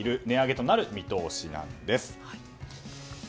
値上げとなる見通しです。